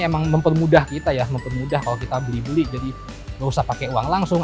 emang mempermudah kita ya mempermudah kalau kita beli beli jadi nggak usah pakai uang langsung